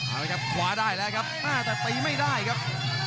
เอาละครับขวาได้แล้วครับแต่ตีไม่ได้ครับ